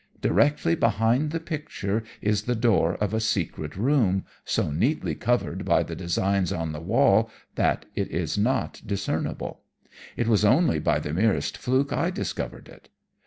Directly behind the picture is the door of a secret room, so neatly covered by the designs on the wall that it is not discernible. It was only by the merest fluke I discovered it.